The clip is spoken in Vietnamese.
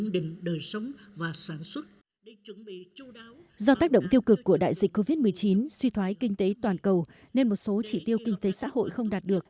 do tác động tiêu cực của đại dịch covid một mươi chín suy thoái kinh tế toàn cầu nên một số chỉ tiêu kinh tế xã hội không đạt được